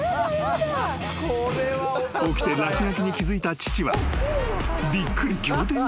［起きて落書きに気付いた父は］